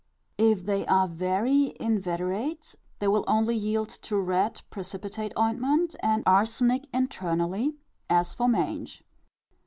If they are very inveterate, they will only yield to red precipitate ointment, and arsenic internally, as for mange.